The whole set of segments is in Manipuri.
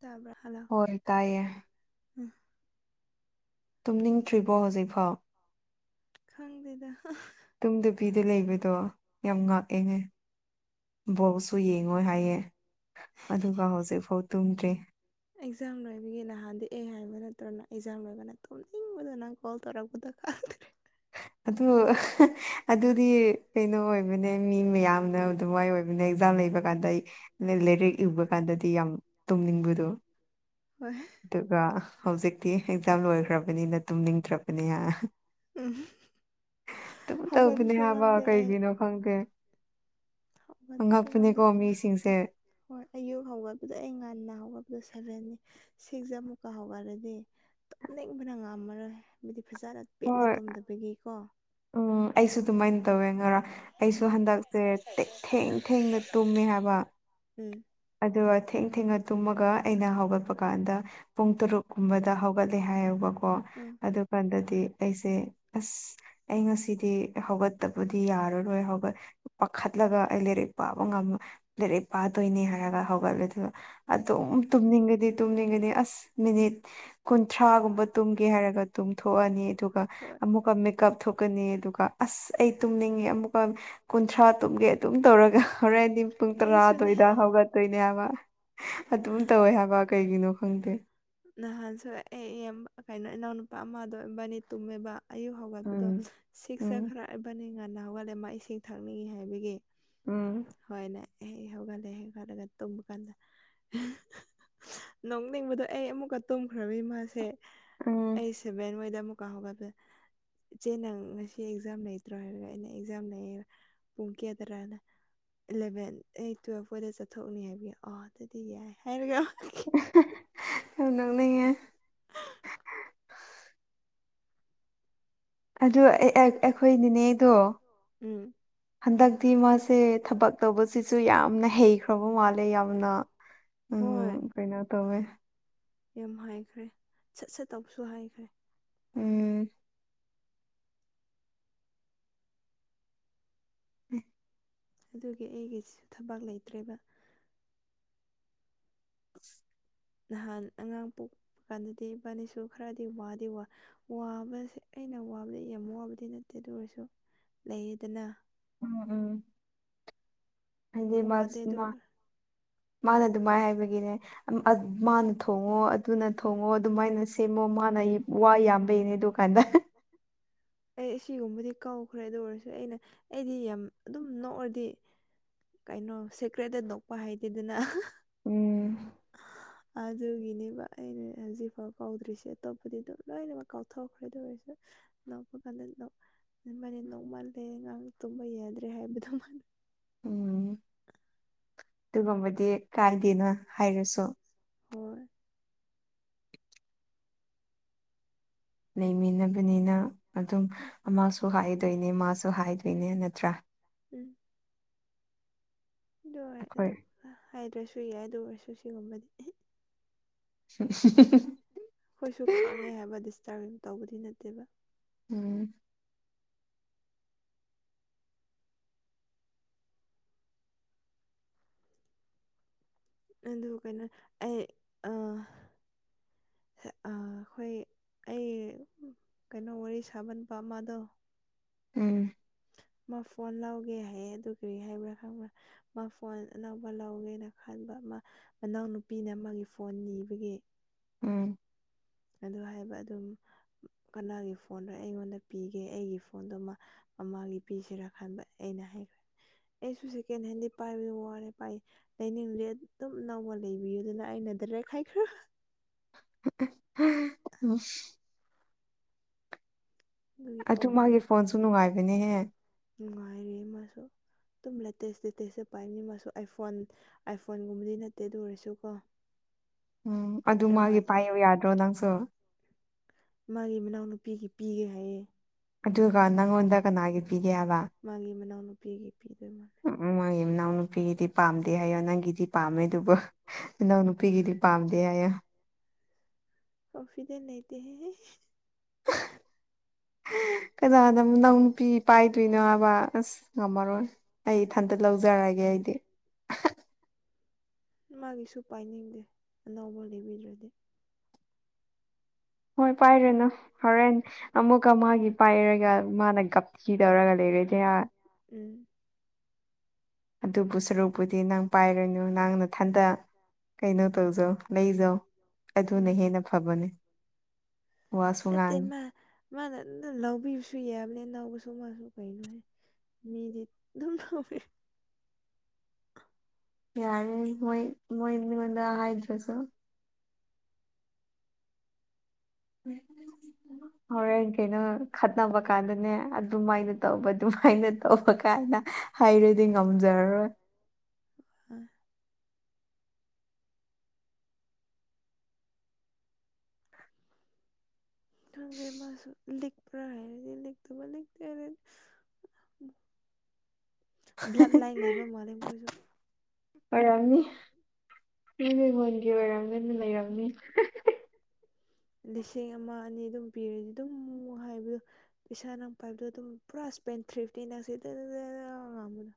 ꯇꯥꯄ ꯍꯜꯂ ꯎꯝ [unintelligible] ꯇꯨꯝꯅꯤꯡꯗ꯭ꯔꯤꯕꯣ ꯍꯧꯖꯤꯛꯐꯥꯎ ꯈꯪꯗꯦꯗ ꯇꯨꯝꯗꯕꯤꯗ ꯂꯩꯕꯗꯣ ꯌꯥꯝ ꯉꯥꯛꯑꯦꯅꯦ ꯕꯧꯁꯨ ꯌꯦꯡꯉꯣꯏ ꯍꯥꯏꯌꯦꯦ ꯑꯗꯨꯒ ꯍꯧꯖꯤꯛꯐꯥꯎ ꯇꯨꯝꯗ꯭ꯔꯤ ꯑꯦꯛꯖꯥꯝ ꯂꯣꯏꯕꯒꯤ ꯅꯍꯥꯟꯗꯤ ꯑꯦ ꯍꯥꯏꯕ ꯅꯠꯇ꯭ꯔꯒꯅ ꯑꯦꯛꯖꯥꯝ ꯂꯣꯏꯕꯅ ꯇꯣꯝꯅꯤꯡꯕꯗ ꯅꯪ ꯀꯣꯜ ꯇꯧꯔꯛꯄꯗ ꯈꯗ ꯑꯗꯨ ꯑꯗꯨꯗꯤ ꯀꯩꯅꯣ ꯑꯣꯏꯕꯅꯦ ꯃꯤ ꯃꯌꯥꯝ ꯌꯥꯝꯅ ꯅꯨꯡꯉꯥꯏ ꯑꯣꯏꯕꯅꯤ ꯑꯦꯛꯖꯥꯝ ꯂꯩꯕ ꯀꯥꯟꯗ ꯂꯥꯏꯔꯤꯛ ꯏꯕ ꯀꯥꯟꯗꯗꯤ ꯌꯥꯝ ꯇꯨꯝꯅꯤꯡꯕꯗꯣ ꯍꯣꯏ ꯑꯗꯨꯒ ꯍꯧꯖꯤꯛꯇꯤ ꯑꯦꯛꯖꯥꯝ ꯂꯣꯏꯈ꯭ꯔꯕꯅꯤꯅ ꯇꯨꯝꯅꯤꯡꯗ꯭ꯔꯕꯅꯤꯅ ꯑꯗꯨꯝ ꯇꯧꯕꯅꯦ ꯍꯥꯏꯕ ꯀꯩꯒꯤꯅꯣ ꯈꯪꯗꯦ ꯑꯉꯛꯄꯅꯦꯀꯣ ꯃꯤꯁꯤꯡꯁꯦ ꯍꯣꯏ ꯑꯌꯨꯛ ꯍꯧꯒꯠꯄꯗꯣ ꯑꯩ ꯉꯟꯅ ꯍꯧꯒꯠꯄꯗꯣ ꯁꯕꯦꯟꯅꯤ ꯁꯤꯛꯖ ꯃꯨꯛꯀꯥ ꯍꯧꯒꯠꯂꯗꯤ ꯇꯨꯝꯅꯤꯡꯕꯅ ꯉꯝꯃꯔꯣꯏ꯫ ꯃꯤꯗꯤ ꯐꯖꯅ ꯄꯦꯠꯅ ꯇꯨꯝꯗꯕꯒꯤꯀꯣ ꯑ ꯑꯩꯁꯨ ꯑꯗꯨꯃꯥꯏꯅ ꯇꯧꯋꯦ ꯉꯔꯥꯡ ꯑꯩꯁꯨ ꯍꯟꯗꯛꯁꯦ ꯇꯦꯛ ꯊꯦꯡ ꯊꯦꯡꯅ ꯇꯨꯝꯃꯦ ꯍꯥꯏꯕ ꯎꯝ꯫ ꯑꯗꯨꯒ ꯊꯦꯡ ꯊꯦꯡꯅ ꯇꯨꯝꯃꯒ ꯑꯩꯅ ꯍꯧꯒꯠꯄ ꯀꯥꯟꯗ꯫ ꯄꯨꯡ ꯇꯔꯨꯛꯀꯨꯝꯕꯗ ꯍꯧꯒꯠꯂꯦ ꯍꯥꯏꯕꯀꯣ꯫ ꯎꯝ꯫ ꯑꯗꯨꯀꯥꯟꯗꯗꯤ ꯑꯩꯁꯦ ꯑꯁ꯫ ꯑꯩ ꯉꯁꯤꯗꯤ ꯍꯧꯒꯠꯇꯕꯗꯤ ꯌꯥꯔꯔꯣꯏ ꯍꯧꯒꯠ ꯄꯥꯈꯠꯂꯒ ꯑꯩ ꯂꯩꯔꯤꯛ ꯄꯥꯕ ꯉꯝ ꯂꯩꯔꯛ ꯄꯥꯗꯣꯏꯅꯦ ꯍꯥꯏꯔꯒ ꯍꯧꯒꯠꯂꯦ ꯑꯗꯨꯒ꯫ ꯑꯗꯨꯝ ꯇꯨꯝꯅꯤꯡꯒꯗꯤ ꯇꯨꯝꯅꯤꯡꯒꯅꯤ ꯑꯁ ꯃꯤꯅꯤꯠ꯫ ꯀꯨꯟꯊ꯭ꯔꯥꯒꯨꯝꯕ ꯇꯨꯝꯒꯦ ꯍꯥꯏꯔꯒ ꯇꯨꯝꯊꯣꯛꯑꯅꯤ ꯑꯗꯨꯒ꯫ ꯑꯃꯨꯛꯀ ꯃꯤꯀꯞ ꯊꯣꯛꯀꯅꯤ ꯑꯗꯨꯒ ꯑꯁ ꯑꯩ ꯇꯨꯝꯅꯤꯡꯉꯦ ꯑꯃꯨꯛꯀ꯫ ꯀꯨꯟꯊ꯭ꯔꯥ ꯇꯨꯝꯒꯤ ꯑꯗꯨꯝ ꯇꯧꯔꯒ ꯍꯣꯔꯦꯟꯗꯤ ꯄꯨꯡ ꯇꯔꯥ ꯑꯗꯨꯋꯥꯏꯗ ꯍꯧꯒꯠ ꯇꯣꯏꯅꯦ ꯍꯥꯏꯕ ꯑꯗꯨꯝ ꯇꯧꯋꯦ ꯍꯥꯏꯕ ꯀꯩꯒꯤꯅꯣ ꯈꯪꯗꯦ꯫ ꯅꯍꯥꯟꯁꯨ ꯑꯩ ꯏꯌꯥꯝꯕ ꯀꯩꯅꯣ ꯏꯅꯥꯎ ꯅꯨꯄꯥ ꯑꯃꯗꯣ ꯏꯕꯅꯤ ꯇꯨꯝꯃꯦꯕ꯫ ꯑꯌꯨꯛ ꯍꯧꯒꯠꯄꯗꯣ ꯁꯤꯛ ꯆꯈꯔ ꯏꯕꯅꯤ ꯉꯟꯅ ꯍꯧꯒꯠꯂꯦ ꯃꯥ ꯏꯁꯤꯡ ꯊꯛꯅꯤꯡꯉꯤ ꯍꯥꯏꯕꯒꯤ꯫ ꯎꯝ꯫ ꯍꯣꯏꯅꯦ ꯑꯦꯍꯤꯡ ꯍꯧꯒꯠꯂꯦ ꯍꯦꯛ ꯍꯧꯒꯠꯂꯒ ꯇꯨꯝꯕ ꯀꯥꯟꯗ꯫ ꯅꯣꯛꯅꯤꯡꯕꯗꯣ ꯑꯩ ꯑꯃꯨꯛꯀ ꯇꯨꯝꯈ꯭ꯔꯕꯩ ꯃꯥꯁꯦ ꯑꯩꯁꯦ [unintelligible] ꯃꯣꯏꯗ ꯑꯃꯨꯛꯀꯥ ꯍꯧꯒꯠꯄꯥꯁꯦ꯫ ꯏꯆꯦ ꯅꯪ ꯉꯁꯤ ꯑꯦꯛꯖꯥꯝ ꯂꯩꯇ꯭ꯔꯣ ꯍꯥꯏꯔꯒ ꯑꯩꯅ ꯑꯦꯛꯖꯥꯝ ꯂꯩꯌꯦ꯫ ꯄꯨꯡ ꯀꯌꯥ ꯇꯔꯥꯅ ꯏꯂꯚꯦꯟ ꯑꯩ ꯇꯨꯋꯦꯜ ꯍꯣꯏꯗ ꯆꯠꯊꯣꯛꯅꯤ ꯍꯥꯏꯕꯤꯌꯨ ꯑ ꯑꯗꯨ ꯑꯩ ꯌꯥꯏ ꯍꯥꯏꯔꯒ꯫ ꯅꯣꯛꯅꯤꯡꯉꯦ꯫ [unintelligible] ꯑꯗꯨ ꯑꯩꯈꯣꯏ ꯅꯦꯅꯦꯗꯣ꯫ ꯍꯟꯗꯛꯇꯤ ꯃꯥꯁꯦ ꯊꯕꯛ ꯇꯧꯕꯁꯤꯁꯨ ꯌꯥꯝꯅ ꯍꯩꯈ꯭ꯔꯕ ꯃꯥꯜꯂꯦ ꯌꯥꯝꯅ꯫ ꯎꯝ ꯀꯩꯅꯣ ꯇꯧꯋꯦ꯫ ꯌꯥꯝ ꯍꯥꯏꯈ꯭ꯔꯦ ꯁꯠ ꯁꯠ ꯇꯧꯕꯁꯨ ꯍꯩꯈ꯭ꯔꯦ꯫ ꯎꯝ꯫ ꯎꯝ꯫ ꯑꯗꯨꯒꯤ ꯑꯩꯒꯤꯁꯤꯁꯨ ꯊꯕꯛ ꯂꯩꯇ꯭ꯔꯦꯕ꯫ ꯅꯍꯥꯟ ꯑꯉꯥꯡ ꯄꯣꯛꯄ ꯀꯥꯟꯗꯗꯤ ꯏꯕꯥꯅꯤꯁꯨ ꯈꯔꯗꯤ ꯋꯥꯗꯤ ꯋꯥ ꯋꯥꯕꯁꯦ ꯑꯩꯅ ꯋꯥꯕꯗ ꯌꯥꯝ ꯋꯥꯕꯗꯤ ꯅꯠꯇꯦ ꯑꯗꯨ ꯑꯣꯏꯔꯁꯨ ꯂꯩꯌꯦꯗꯅ꯫ ꯎꯝ ꯎꯝ꯫ [unintelligible] ꯃꯥꯅ ꯑꯗꯨꯃꯥꯏꯅ ꯍꯥꯏꯕꯒꯤꯅꯦ ꯃꯥꯅ ꯊꯣꯡꯉꯣ꯫ ꯑꯗꯨꯅ ꯊꯣꯡꯉꯣ ꯑꯗꯨꯃꯥꯏꯅ ꯁꯦꯝꯃꯣ ꯃꯥꯅ ꯋꯥ ꯌꯥꯝꯕꯩꯅꯦ ꯑꯗꯨ ꯀꯥꯟꯗ꯫ ꯑꯩ ꯑꯁꯤꯒꯨꯝꯕꯗꯤ ꯀꯧꯈ꯭ꯔꯦ ꯑꯗꯨ ꯑꯣꯏꯔꯁꯨ ꯑꯩꯅ ꯑꯩꯗꯤ ꯌꯥꯝ ꯑꯗꯨꯝ ꯅꯣꯛꯑꯗꯤ꯫ ꯀꯩꯅꯣ ꯁꯦꯀ꯭ꯔꯦꯠꯇ ꯅꯣꯛꯄ ꯍꯩꯇꯦꯗꯅ꯫ [inaudible] ꯑꯗꯨꯒꯤꯅꯦꯕ ꯑꯩꯅ ꯍꯧꯖꯤꯛꯐꯥꯎ ꯀꯥꯎꯗ꯭ꯔꯤꯁꯦ ꯑꯇꯣꯞꯄꯗꯤ ꯑꯗꯨꯝ ꯂꯣꯏꯅꯃꯛ ꯀꯥꯎꯊꯣꯛꯈ꯭ꯔꯦ ꯑꯗꯨ ꯑꯣꯏꯔꯁꯨ꯫ ꯅꯣꯛꯄ ꯀꯥꯟꯗ ꯅꯣꯛ ꯅꯣꯏꯕꯅꯤ ꯅꯣꯛ ꯃꯥꯜꯂꯦ ꯑꯉꯥꯡ ꯇꯨꯝꯕ ꯌꯥꯗ꯭ꯔꯦ ꯍꯥꯏꯕꯗꯨ ꯃꯥꯜꯂꯦ꯫ ꯑꯗꯨꯒꯨꯝꯕꯗꯤ ꯀꯥꯏꯗꯦꯅ ꯍꯥꯏꯔꯁꯨ꯫ ꯍꯣꯏ ꯂꯩꯃꯤꯟꯅꯕꯅꯤꯅ ꯑꯗꯨꯝ ꯑꯃꯁꯨ ꯍꯥꯏꯗꯣꯏꯅꯦ ꯃꯥꯁꯨ ꯍꯥꯏꯗꯣꯏꯅꯦ ꯅꯠꯇ꯭ꯔꯥ ꯎꯝ ꯑꯗꯨ ꯍꯥꯏꯗ꯭ꯔꯁꯨ ꯌꯥꯏ ꯑꯗꯨ ꯑꯣꯏꯔꯁꯨ ꯁꯤꯒꯨꯝꯕꯗꯤ [unintelligible] ꯑꯩꯈꯣꯏꯁꯨ ꯈꯥꯡꯉꯦ ꯍꯥꯏꯕ ꯗꯤꯁꯇꯔꯕ ꯇꯧꯕꯗꯤ ꯅꯠꯇꯦꯕ ꯎꯝ ꯑꯗꯨ ꯀꯩꯅꯣ ꯑꯩ ꯑ ꯑ ꯑꯩꯈꯣꯏ ꯑꯩ ꯀꯩꯅꯣ ꯋꯥꯔꯤ ꯁꯥꯕꯥ ꯅꯨꯄꯥ ꯑꯃꯗꯣ ꯎꯝ ꯃꯥ ꯐꯣꯟ ꯂꯧꯒꯦ ꯍꯥꯏꯌꯦ ꯑꯗꯨ ꯀꯔꯤ ꯍꯥꯏꯕ꯭ꯔꯥ ꯈꯪꯕ꯭ꯔꯥ ꯃꯥ ꯐꯣꯟ ꯑꯅꯧꯕ ꯂꯧꯒꯦꯅ ꯈꯟꯕ ꯃꯥ ꯃꯅꯥꯎꯅꯨꯄꯤꯅ ꯃꯥꯒꯤ ꯐꯣꯟ ꯅꯤꯕꯒꯤ ꯎꯝ ꯑꯗꯨ ꯍꯥꯏꯕ ꯑꯗꯨꯝ ꯀꯅꯥꯒꯤ ꯐꯣꯟꯗꯣ ꯑꯩꯉꯣꯟꯗ ꯄꯤꯒꯦ ꯑꯩꯒꯤ ꯐꯣꯟꯗꯣ ꯃꯥ ꯃꯥꯃꯥꯒꯤ ꯄꯤꯁꯤꯔꯥ ꯈꯟꯕ ꯑꯩꯅ ꯍꯥꯏꯈ꯭ꯔꯦ ꯑꯩꯁꯨ ꯁꯀꯦꯟꯍꯦꯟꯗꯤ ꯄꯥꯏꯕꯗ ꯋꯥꯔꯦ ꯄꯥꯏ ꯂꯩꯅꯤꯡꯉꯦ ꯑꯗꯨꯝ ꯅꯧꯅ ꯂꯩꯕꯤꯌꯨꯗꯅ ꯑꯩꯅ ꯗꯥꯏꯔꯦꯛ ꯍꯥꯏꯈ꯭ꯔꯕꯅꯤ ꯏꯁ ꯑꯗꯨ ꯃꯥꯒꯤ ꯐꯣꯟꯁꯨ ꯅꯨꯡꯉꯥꯏꯕꯅꯦꯍꯦ ꯅꯨꯡꯉꯥꯏꯔꯦ ꯃꯥꯁꯨ ꯑꯗꯨꯝ ꯂꯦꯇꯦꯁ ꯂꯦꯇꯦꯁꯇ ꯄꯥꯏꯅꯤ ꯃꯥꯁꯨ ꯑꯥꯏꯐꯣꯟ ꯑꯥꯏꯐꯣꯟꯒꯨꯝꯕꯗꯤ ꯅꯠꯇꯦ ꯑꯗꯨ ꯑꯣꯏꯔꯁꯨ ꯀꯣ ꯎꯝ ꯑꯗꯨ ꯃꯥꯒꯤ ꯄꯥꯏꯌꯨ ꯌꯥꯗ꯭ꯔꯣ ꯅꯪꯁꯨ ꯃꯥꯒꯤ ꯃꯅꯥꯎꯅꯨꯄꯤꯒꯤ ꯄꯤꯒꯦ ꯍꯥꯏꯌꯦ ꯑꯗꯨꯒ ꯅꯪꯉꯣꯟꯗ ꯀꯅꯥꯒꯤ ꯄꯤꯒꯦ ꯍꯥꯏꯕ ꯃꯥꯒꯤ ꯃꯅꯥꯎꯅꯨꯄꯤꯒꯤ ꯄꯤꯗꯣꯏ ꯃꯥꯜꯂꯦ ꯃꯣꯏꯒꯤ ꯃꯅꯥꯎ ꯅꯨꯄꯤꯒꯤꯗꯤ ꯄꯥꯝꯗꯦ ꯍꯥꯏꯌꯣ ꯅꯪꯒꯤꯗꯤ ꯄꯥꯝꯃꯦ ꯑꯗꯨꯕꯨ ꯏꯅꯥꯎ ꯄꯤꯒꯤꯗꯤ ꯄꯥꯝꯗꯦ ꯍꯥꯏꯌꯣ ꯀꯣꯟꯐꯤꯗꯦꯟꯁ ꯂꯩꯇ ꯍꯦ ꯀꯅꯥꯅ ꯃꯅꯥꯎ ꯅꯨꯄꯤ ꯄꯥꯏꯗꯣꯏꯅꯣ ꯍꯥꯏꯕ ꯑꯁ ꯉꯝꯃꯔꯣꯏ ꯑꯩ ꯏꯊꯟꯗ ꯂꯧꯖꯔꯒꯦ ꯑꯩꯗꯤ ꯃꯥꯒꯤꯁꯨ ꯄꯥꯏꯅꯤꯡꯗꯦ ꯑꯅꯧꯕ ꯂꯩꯕꯤꯗ꯭ꯔꯗꯤ ꯍꯣꯏ ꯄꯥꯏꯔꯨꯅꯨ ꯍꯣꯔꯦꯟ ꯑꯃꯨꯛꯀ ꯃꯥꯒꯤ ꯄꯥꯏꯔꯒ ꯃꯥꯅ ꯒꯞ ꯊꯤ ꯇꯧꯔꯒ ꯂꯩꯔꯗꯤ ꯎꯝ ꯑꯗꯨꯕꯨ ꯁꯔꯨꯛꯄꯨꯗꯤ ꯅꯪ ꯄꯥꯏꯔꯅꯨ ꯅꯪꯅꯊꯟꯇ ꯀꯩꯅꯣ ꯇꯧꯖꯧ ꯂꯩꯖꯧ ꯑꯗꯨꯅ ꯍꯦꯟꯅ ꯐꯕꯅꯦ ꯅꯠꯇꯦ ꯃꯥ ꯃꯥꯅ ꯂꯧꯕꯤꯕꯁꯨꯨ ꯌꯥꯕꯅꯦ ꯂꯧꯕꯁꯨ ꯃꯥꯁꯨ ꯀꯩꯅꯣꯍꯦ ꯃꯤꯗꯤ ꯑꯗꯨꯝ ꯂꯧꯌꯦ ꯌꯥꯔꯦ ꯃꯣꯏ ꯃꯣꯏ ꯃꯤꯉꯣꯟꯗ ꯍꯥꯏꯗ꯭ꯔꯁꯨ ꯍꯣꯔꯦꯟ ꯀꯩꯅꯣ ꯈꯠꯅꯕ ꯀꯥꯟꯗꯅꯦ ꯑꯗꯨꯃꯥꯏꯅ ꯇꯧꯕ ꯗꯨꯃꯥꯏꯅ ꯇꯧꯕ ꯀꯥꯏꯅ ꯍꯥꯏꯔꯗꯤ ꯉꯝꯖꯔꯔꯣꯏ ꯑ ꯈꯪꯗꯦ ꯃꯥꯁꯨ ꯂꯤꯛꯄ꯭ꯔꯥ ꯍꯥꯏꯔꯗꯤ ꯂꯤꯛꯇꯕ ꯂꯤꯛꯇꯦ ꯍꯥꯏꯔꯗꯤ ꯕ꯭ꯂꯠ ꯂꯥꯏꯟ ꯂꯩꯕ ꯃꯥꯜꯂꯦ ꯃꯣꯏꯁꯨ ꯑꯣꯏꯔꯝꯅꯤ ꯃꯣꯏꯒꯤ ꯑꯣꯏꯔꯝꯒꯅꯤ ꯂꯩꯔꯝꯅꯤ ꯂꯤꯁꯤꯡ ꯑꯃ ꯑꯅꯤ ꯑꯗꯨꯝ ꯄꯤꯔꯗꯤ ꯑꯗꯨꯝ ꯍꯥꯏꯕꯗꯣ ꯄꯩꯁꯥ ꯅꯪ ꯄꯥꯏꯕꯗꯣ ꯑꯗꯨꯝ ꯄꯨꯔꯥ ꯏꯁꯄꯦꯟ ꯊ꯭ꯔꯤꯐꯇꯤ ꯅꯪꯁꯤ ꯉꯝꯕꯗꯣ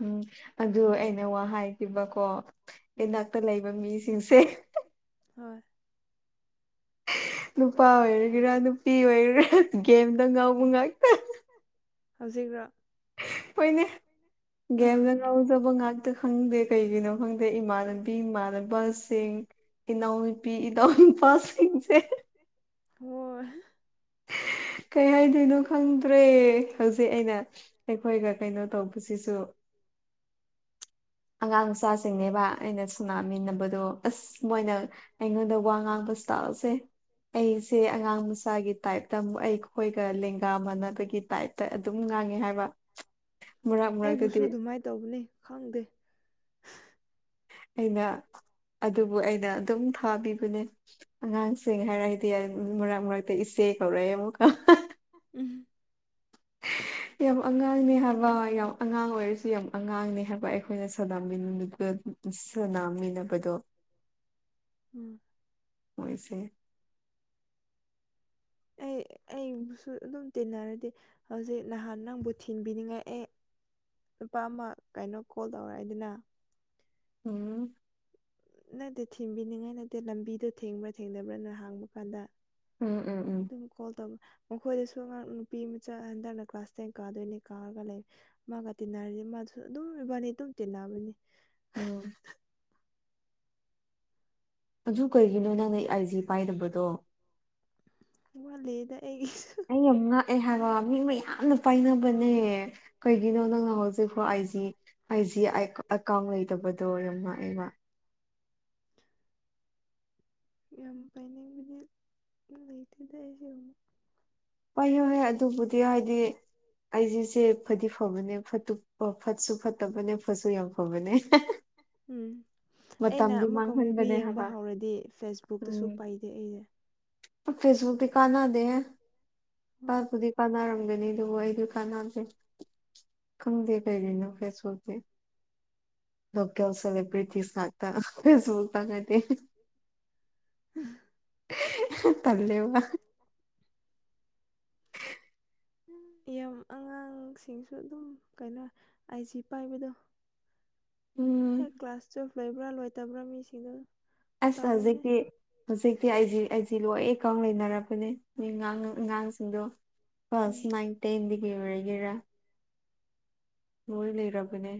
ꯎꯝ ꯑꯗꯨ ꯑꯩꯅ ꯋꯥ ꯍꯥꯏꯈꯤꯕꯀꯣ ꯏꯅꯥꯛꯇ ꯂꯩꯕ ꯃꯤꯁꯤꯡꯁꯦ ꯍꯣꯏ ꯅꯨꯄꯥ ꯑꯣꯏꯔꯒꯦꯔ ꯅꯨꯄꯤ ꯑꯣꯏꯔꯒꯦꯔ ꯒꯦꯝꯗ ꯉꯥꯎꯕ ꯉꯥꯛꯇ ꯍꯧꯖꯤꯛꯔꯥ ꯍꯣꯏꯅꯦ ꯒꯦꯝ [unintelligible] [unintelligible] ꯉꯥꯛꯇ ꯈꯪꯗꯦ ꯀꯩꯒꯤꯅꯣ ꯈꯪꯗꯦ ꯏꯃꯥꯟꯅꯕꯤ ꯏꯃꯥꯟꯅꯕꯁꯤꯡ ꯏꯅꯥꯎ ꯅꯨꯄꯤ [unintelligible] ꯅꯨꯄꯥꯁꯤꯡꯁꯦ [unintelligible] ꯀꯩ ꯍꯥꯏꯗꯣꯏꯅꯣ ꯈꯪꯗ꯭ꯔꯦ ꯍꯧꯖꯤꯛ ꯑꯩꯅ ꯑꯩꯈꯣꯏꯒ ꯀꯩꯅꯣ ꯇꯧꯕꯁꯤꯁꯨ ꯑꯉꯥꯡꯆꯥꯁꯤꯡꯅꯦꯕ ꯑꯩꯅ ꯁꯅꯥꯃꯤꯟꯅꯕꯗꯣ ꯑꯁ ꯃꯣꯏꯅ ꯑꯩꯉꯣꯟꯗ ꯋꯥ ꯉꯥꯡꯕ ꯁꯇꯥꯜꯁꯦ ꯑꯩꯁꯦ ꯑꯉꯥꯡ ꯃꯆꯥꯒꯤ ꯇꯥꯏꯞꯇ ꯑꯃꯨꯛ ꯑꯩꯈꯣꯏꯒ ꯂꯦꯡꯒꯥ ꯃꯥꯟꯅꯕꯒꯤ ꯇꯥꯏꯞꯇ ꯑꯗꯨꯝ ꯉꯥꯡꯉꯦ ꯍꯥꯏꯕ ꯑꯩꯕꯨꯁꯨ ꯑꯗꯨꯃꯥꯏꯅ ꯇꯧꯕꯅꯤ ꯈꯪꯗꯦ ꯑꯩꯅ ꯑꯗꯨꯕꯨ ꯑꯩꯅ ꯑꯗꯨꯝ ꯊꯥꯕꯤꯕꯅꯦ ꯑꯉꯥꯡꯁꯤꯡ ꯍꯥꯏꯔꯒꯗꯤ ꯃꯔꯛ ꯃꯔꯛꯇ ꯏꯆꯦ ꯀꯧꯔꯛꯑꯦ ꯑꯃꯨꯛꯀ ꯎꯝ [unintelligible] ꯌꯥꯝ ꯑꯉꯥꯡꯅꯦ ꯍꯥꯏꯕ ꯌꯥꯝ ꯑꯉꯥꯡ ꯑꯣꯏꯔꯁꯨ ꯌꯥꯝ ꯑꯉꯥꯡꯅꯦ ꯍꯥꯏꯕ ꯑꯩꯈꯣꯏꯅ ꯁꯟꯅꯃꯤꯟꯕ ꯁꯅꯥꯃꯤꯟꯅꯕꯗꯣ ꯎꯝ ꯃꯣꯏꯁꯦ ꯑꯩ ꯑꯩꯕꯨꯁꯨ ꯑꯗꯨꯝ ꯇꯤꯟꯅꯔꯗꯤ ꯍꯧꯖꯤꯛ ꯅꯍꯥꯟ ꯅꯪꯕꯨ ꯊꯤꯟꯕꯤꯅꯤꯡ ꯉꯥꯏ ꯑꯦ ꯅꯨꯨꯄꯥ ꯑꯃ ꯀꯩꯅꯣ ꯀꯣꯜ ꯇꯧꯔꯛꯏꯗꯅ ꯍꯝ ꯅꯠꯇꯦ ꯊꯤꯡꯕꯤꯅꯤꯡꯉꯥꯏ ꯅꯠꯇꯦ ꯂꯝꯕꯤꯗ ꯊꯦꯡꯕ꯭ꯔꯥ ꯊꯦꯡꯗꯕ꯭ꯔꯅ ꯍꯥꯡꯕ ꯀꯥꯟꯗ ꯎꯝ ꯎꯝ ꯎꯝ ꯀꯣꯜ ꯇꯧꯕ ꯃꯈꯣꯏꯗꯁꯨ ꯑꯉꯥꯡ ꯅꯨꯄꯤ ꯃꯆꯥ ꯍꯟꯗꯛꯅ ꯀ꯭ꯂꯥꯁ ꯇꯦꯟ ꯀꯥꯗꯣꯏꯅꯦ ꯀꯥꯔꯒ ꯂꯩ ꯃꯥꯒ ꯇꯤꯟꯅꯔꯤꯗꯤ ꯃꯥꯁꯨ ꯑꯗꯨꯝ ꯏꯕꯥꯅꯤ ꯑꯗꯨꯝ ꯇꯤꯟꯅꯕꯅꯤ ꯎꯝ ꯑꯗꯨ ꯀꯩꯒꯤꯅꯣ ꯅꯪꯅ ꯑꯥꯏ ꯖꯤ ꯄꯥꯏꯗꯕꯗꯣ ꯋꯥꯠꯂꯤꯗ ꯑꯩ ꯑꯩ ꯌꯥꯝ ꯉꯛꯑꯦ ꯍꯥꯏꯕ ꯃꯤ ꯃꯌꯥꯝꯅ ꯄꯥꯏꯅꯕꯅꯦ ꯀꯩꯒꯤꯅꯣ ꯅꯪꯅ ꯍꯧꯖꯤꯛꯐꯥꯎ ꯑꯥꯏꯖꯤ ꯑꯥꯏꯖꯤ ꯑꯦꯀꯥꯎꯟ ꯂꯩꯇꯕꯗꯣ ꯌꯥꯝ ꯉꯛꯑꯦꯕ ꯌꯥꯝ ꯄꯥꯏꯅꯤꯡꯕꯗꯤ ꯂꯩꯇꯦꯗ ꯑꯩꯖꯦ ꯑꯃꯨꯛ ꯄꯥꯏꯌꯨꯍꯦ ꯑꯗꯨꯕꯨꯗꯤ ꯍꯥꯏꯗꯤ ꯑꯥꯏꯖꯤꯁꯦ ꯐꯗꯤ ꯐꯕꯅꯦ ꯐꯠꯇ ꯑꯣ ꯐꯠꯁꯨ ꯐꯠꯇꯕꯅꯦ ꯐꯠꯁꯨ ꯌꯥꯝ ꯐꯕꯅꯦ ꯎꯝ ꯑꯩꯅ ꯑꯃꯨꯛꯀꯥ ꯃꯨꯚꯤ ꯌꯦꯡꯕ ꯍꯧꯔꯗꯤ ꯐꯦꯁꯕꯨꯛꯇꯁꯨ ꯄꯥꯏ [unintelligible] ꯐꯦꯁꯕꯨꯛꯇꯤ ꯀꯥꯟꯅꯗꯦꯦ ꯀꯥꯄꯨꯗꯤ ꯀꯥꯟꯅꯔꯝꯒꯅꯤ ꯑꯗꯨꯕꯨ ꯑꯩꯗ ꯀꯅꯥꯗꯤ ꯈꯪꯗꯦ ꯀꯩꯒꯤꯅꯣ ꯐꯦꯁꯕꯨꯛꯗꯤ ꯂꯣꯀꯦꯜ ꯂꯦꯁꯦꯕ꯭ꯔꯤꯇꯤꯁ ꯉꯥꯛꯇ ꯐꯦꯁꯕꯨꯛ ꯇꯒꯗꯤ [unintelligible] ꯇꯜꯂꯦ ꯋꯥ ꯌꯥꯝ ꯑꯉꯥꯡꯁꯤꯡꯁꯨ ꯑꯗꯨꯝ ꯀꯩꯅꯣ ꯑꯥꯏꯖꯤ ꯄꯥꯏꯕꯗꯣ ꯍꯦꯛ ꯀ꯭ꯂꯥꯁ ꯇꯨꯌꯦꯜꯄ ꯂꯣꯏꯕ꯭ꯔꯥ ꯂꯣꯏꯇꯕ꯭ꯔꯥ ꯃꯤꯁꯤꯡꯗꯣ ꯑꯁ ꯍꯧꯖꯤꯛꯇꯤ ꯍꯧꯖꯤꯛꯇꯤ ꯑꯩ ꯖꯤ ꯑꯩ ꯖꯤ ꯂꯣꯏ ꯑꯦꯀꯥꯎꯟ ꯂꯩꯅꯔꯕꯅꯦ ꯑꯥꯡ ꯑꯉꯥꯡꯁꯤꯡꯗꯣ ꯀ꯭ꯂꯥꯁ ꯅꯥꯏꯟ ꯇꯦꯟ ꯗꯤꯒ꯭ꯔꯤ ꯑꯣꯏꯔꯒꯦꯔꯥ ꯂꯣꯏ ꯂꯩꯔꯕꯅꯦ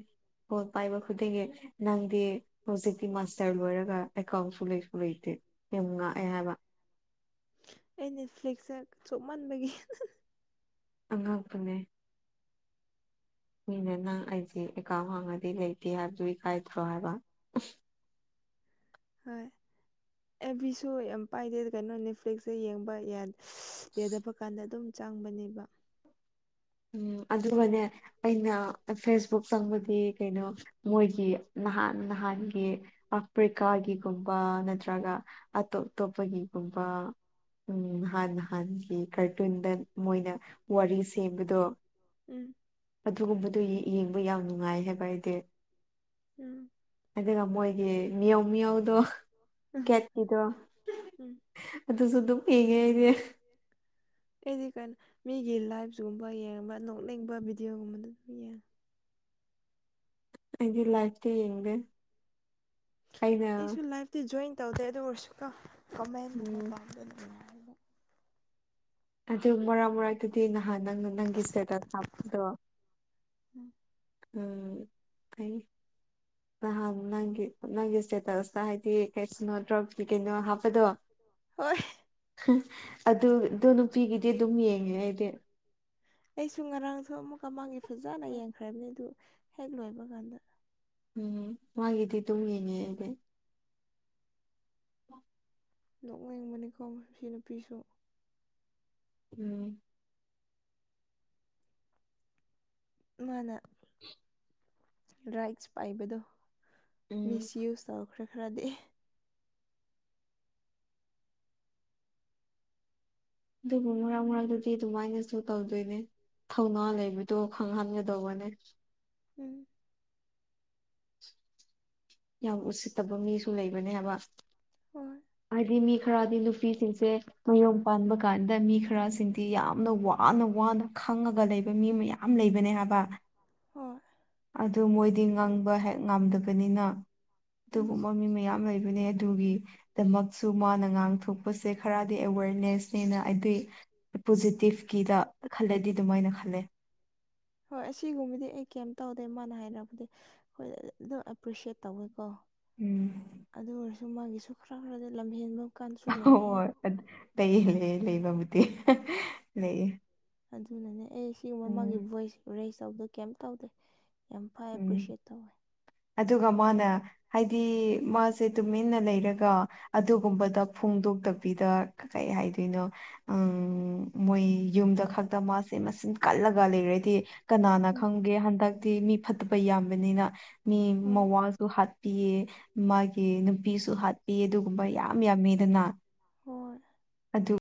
ꯐꯣꯜ ꯄꯥꯏꯕ ꯈꯨꯗꯤꯡꯒꯤ ꯅꯪꯗꯤ ꯍꯧꯖꯤꯛꯇꯤ ꯃꯥꯁꯇꯔ ꯂꯣꯏꯔꯒ ꯑꯦꯀꯥꯎꯟꯁꯨ ꯂꯩꯁꯨ ꯂꯩꯇꯦ ꯌꯥꯝ ꯉꯥꯛꯑꯦ ꯍꯥꯏꯕ ꯑꯩ ꯅꯦꯠꯐ꯭ꯂꯤꯛꯁꯇ ꯆꯣꯞꯃꯟꯕꯒꯤ ꯑꯉꯛꯄꯅꯦ ꯃꯤꯅ ꯅꯪ ꯑꯩꯖꯤ ꯑꯦꯀꯥꯎꯟ ꯍꯥꯡꯉꯗꯤ ꯂꯩꯇꯦ ꯍꯥꯏꯕꯗꯨ ꯏꯀꯥꯏꯗ꯭ꯔꯣ ꯍꯥꯏꯕ ꯍꯣꯏ ꯑꯦ ꯕꯤꯁꯨ ꯌꯥꯝ ꯄꯥꯏꯗꯦ ꯀꯩꯅꯣ ꯅꯦꯠꯐ꯭ꯂꯤꯛꯁꯇ ꯌꯦꯡꯕ ꯌꯥ ꯌꯥꯗꯕ ꯀꯥꯟꯗ ꯗꯨꯝ ꯆꯪꯕꯅꯦꯕ ꯎꯝ ꯑꯗꯨꯒꯅꯦ ꯑꯩꯅ ꯐꯦꯁꯕꯨꯛ ꯆꯪꯕꯗꯤ ꯀꯩꯅꯣ ꯃꯣꯏꯒꯤ ꯅꯍꯥꯟ ꯅꯍꯥꯟꯒꯤ ꯑꯐ꯭ꯔꯤꯀꯥꯒꯤꯒꯨꯝꯕ ꯅꯠꯇ꯭ꯔꯒ ꯑꯇꯣꯞ ꯇꯣꯞꯄꯒꯤꯒꯨꯝꯕ ꯎꯝ ꯍꯥꯟ ꯍꯥꯟꯒꯤ ꯀꯥꯔꯇꯨꯟꯗ ꯃꯣꯏꯅ ꯋꯥꯔꯤ ꯁꯦꯝꯕꯗꯣ ꯎꯝ ꯑꯗꯨꯒꯨꯝꯕꯗꯨ ꯌꯦ ꯌꯦꯡꯕ ꯌꯥꯝ ꯅꯨꯡꯉꯥꯏ ꯍꯥꯏꯕ ꯑꯩꯗꯤ ꯎꯝ ꯑꯗꯨꯒ ꯃꯣꯏꯒꯤ ꯃꯤꯌꯥꯎ ꯃꯤꯌꯥꯎꯗꯣ ꯀꯦꯠꯀꯤꯗꯣ ꯑꯗꯨꯁꯨ ꯗꯨꯝ ꯌꯦꯡꯉꯦ ꯑꯩꯗꯤ ꯑꯩꯗꯤ ꯀꯩ ꯃꯤꯒꯤ ꯂꯥꯏꯐꯒꯨꯝꯕ ꯌꯦꯡꯕ ꯅꯣꯛꯅꯤꯡꯕ ꯚꯤꯗꯤꯑꯣꯒꯨꯝꯕꯗꯣ ꯑꯗꯨꯝ ꯌꯦꯡꯉꯦ ꯑꯩꯗꯤ ꯂꯥꯏꯐꯇꯤ ꯌꯦꯡꯗꯦ ꯑꯩꯁꯨ ꯂꯥꯏꯐꯇꯤ ꯖꯣꯏꯟ ꯇꯧꯗꯦ ꯑꯗꯨ ꯑꯣꯏꯔꯁꯨꯀꯣ ꯀꯃꯦꯟꯒꯨꯝꯕ ꯄꯥꯝꯕꯗ ꯅꯨꯡꯉꯥꯏ ꯑꯗꯨ ꯃꯔꯛ ꯃꯔꯛ ꯑꯗꯨꯗꯤ ꯅꯍꯥꯟ ꯅꯪꯅ ꯅꯪꯒꯤ ꯁꯇꯦꯇ ꯍꯥꯥꯞꯄꯗꯣ ꯎꯝ ꯐꯩ ꯅꯍꯥꯟ ꯅꯪꯒꯤ ꯅꯪꯒꯤ ꯏꯁꯇꯁꯇ ꯍꯥꯏꯗꯤ ꯀꯦꯁꯅꯣ ꯗ꯭ꯔꯛ ꯀꯩꯅꯣ ꯍꯥꯞꯄꯗꯣ ꯑꯗꯨ ꯗꯨꯅꯨ ꯑꯩꯒꯤꯗꯤ ꯗꯨꯝ ꯌꯦꯡꯉꯦ ꯑꯩꯗꯤ ꯑꯩꯁꯨ ꯉꯔꯥꯡꯁꯨ ꯑꯃꯨꯛꯀ ꯃꯥꯒꯤ ꯐꯖꯅ ꯌꯦꯡꯈ꯭ꯔꯕꯅꯤ ꯑꯗꯨ ꯍꯦꯛ ꯂꯣꯏꯕ ꯀꯥꯟꯗ ꯎꯝ ꯃꯥꯒꯤꯗꯤ ꯑꯗꯨꯝ ꯌꯦꯡꯉꯦ ꯑꯩꯗꯤ ꯅꯣꯛꯅꯤꯡꯕꯅꯤꯀꯣ ꯃꯁꯤ ꯅꯨꯄꯤꯁꯨ ꯎꯝ ꯃꯥꯅ ꯔꯥꯏꯠꯁ ꯄꯥꯏꯕꯗꯣ ꯃꯤꯁꯌꯨꯁ ꯇꯧꯈ꯭ꯔꯦ ꯈꯔꯗꯤ ꯑꯗꯨꯕꯨ ꯃꯔꯛ ꯃꯔꯛꯇꯗꯤ ꯗꯨꯃꯥꯏꯅꯁꯨ ꯇꯧꯗꯣꯏꯅꯦ ꯊꯧꯅ ꯂꯩꯕꯗꯣ ꯈꯪꯍꯟꯒꯗꯧꯕꯅꯦ ꯎꯝ ꯌꯥꯝ ꯎꯁꯤꯠꯇꯕ ꯃꯤꯁꯨ ꯂꯩꯕꯅꯦ ꯍꯥꯏꯕ ꯍꯣꯏ ꯃꯤ ꯃꯤ ꯈꯔꯗꯤ ꯅꯨꯄꯤꯁꯤꯡꯁꯦ ꯃꯌꯨꯝ ꯄꯥꯟꯕ ꯀꯥꯟꯗ ꯃꯤ ꯈꯔꯁꯤꯗꯤ ꯌꯥꯝꯅ ꯋꯥꯅ ꯋꯥꯅ ꯈꯪꯉꯒ ꯂꯩꯕ ꯃꯤ ꯃꯌꯥꯝ ꯌꯥꯝ ꯂꯩꯕꯅꯦ ꯍꯥꯏꯕ ꯑꯣ ꯑꯗꯨ ꯃꯣꯏꯗꯤ ꯉ ꯪꯕ ꯍꯦꯛ ꯉꯝꯗꯕꯅꯤꯅ ꯑꯗꯨꯒꯨꯝꯕ ꯃꯤ ꯃꯌꯥꯝ ꯂꯩꯕꯅꯦ ꯑꯗꯨꯒꯤ ꯗꯃꯛꯁꯨ ꯃꯥꯅ ꯉꯥꯡꯊꯣꯛꯄꯁꯦ ꯈꯔꯗꯤ ꯑꯦꯋꯦꯔꯅꯦꯁꯅꯦꯅ ꯑꯩꯗꯤ ꯄꯣꯖꯤꯇꯤꯞ ꯀꯤꯗ ꯈꯜꯂꯗꯤ ꯑꯗꯨꯃꯥꯏꯅ ꯈꯜꯂꯦ ꯍꯣꯏ ꯑꯁꯤꯒꯨꯝꯕꯗꯤ ꯑꯩ ꯀꯩꯏꯝ ꯇꯧꯗꯦ ꯃꯥꯅ ꯍꯥꯏꯔꯛꯄꯗꯤ ꯈꯣꯏ ꯑꯗꯨꯝ ꯑꯦꯄ꯭ꯔꯤꯁꯦꯠ ꯇꯧꯋꯦꯀꯣ ꯑꯗꯨ ꯑꯣꯏꯔꯁꯨ ꯃꯥꯒꯤꯁꯨ ꯈꯔ ꯈꯔꯗꯤ ꯂꯝꯍꯦꯟꯕ ꯍꯣꯏ ꯍꯣꯏ ꯂꯩꯌꯦ ꯂꯩꯌꯦ ꯂꯩꯕꯕꯨꯗꯤ ꯂꯩꯌꯦ ꯑꯗꯨꯅꯅꯦ ꯑꯩ ꯁꯤꯒꯤ ꯃꯃꯥꯡꯒꯤ ꯚꯣꯏꯁ ꯔꯦꯁ ꯇꯧꯕꯗꯣ ꯀꯩꯏꯝ ꯇꯧꯗꯦ ꯌꯥꯝ ꯐꯩ ꯑꯦꯄ꯭ꯔꯤꯁꯤꯌꯦꯠ ꯇꯧꯋꯦ ꯑꯗꯨꯒ ꯃꯥꯅ ꯍꯥꯏꯗꯤ ꯃꯥꯁꯦ ꯇꯨꯃꯤꯟꯅ ꯂꯩꯔꯒ ꯑꯗꯨꯒꯨꯝꯕꯗ ꯐꯣꯡꯗꯣꯛꯇꯕꯤꯗ ꯀꯩ ꯍꯥꯏꯗꯣꯏꯅꯣ ꯑꯪ ꯃꯣꯏ ꯌꯨꯝꯗ ꯈꯛꯇ ꯃꯥꯁꯦ ꯃꯆꯤꯟ ꯀꯜꯂꯒ ꯒ ꯂꯩꯔꯗꯤ ꯀꯅꯥꯅ ꯈꯪꯒꯦ ꯍꯟꯗꯛꯇꯤ ꯃꯤ ꯐꯠꯇꯕ ꯌꯥꯝꯕꯅꯤꯅ ꯃꯤ ꯃꯋꯥ ꯃꯄꯥꯁꯨ ꯍꯥꯠꯄꯤꯌꯦ ꯃꯥꯒꯤ ꯅꯨꯄꯤꯁꯨ ꯍꯥꯠꯄꯤꯌꯦ ꯑꯗꯨꯒꯨꯝꯕ ꯌꯥꯝ ꯌꯥꯝꯃꯤꯗꯅ ꯍ ꯑꯗꯨ